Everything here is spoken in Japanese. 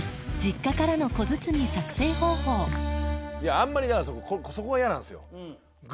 あんまりだからそこが嫌なんですよ。